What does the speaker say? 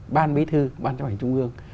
ban bí thư ban chấp hành trung ương